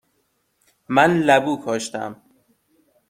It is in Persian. من لبو کاشتم.